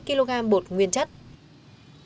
sau khi chia cho thuốc dương thuê người đem bán tại hải phòng